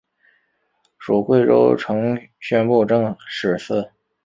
属贵州承宣布政使司。